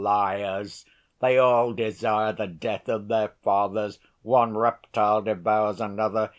Liars! They all desire the death of their fathers. One reptile devours another....